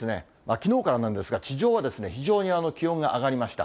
きのうからなんですが、地上は非常に気温が上がりました。